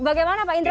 bagaimana pak indra